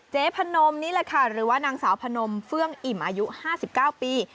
พนมนี่แหละค่ะหรือว่านางสาวพนมเฟื่องอิ่มอายุ๕๙ปี